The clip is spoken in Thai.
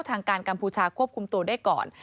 ทางการกัมพูชาควบคุมตัวได้ก่อน